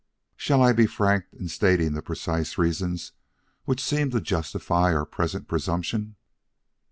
Shall I be frank in stating the precise reasons which seem to justify our present presumption?"